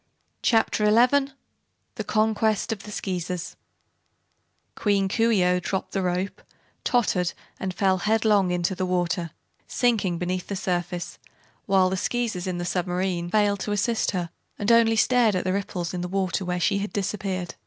Chapter Eleven The Conquest of the Skeezers Queen Coo ee oh dropped the rope, tottered and fell headlong into the water, sinking beneath the surface, while the Skeezers in the submarine were too bewildered toassist her and only stared at the ripples in the water where she had disappeared.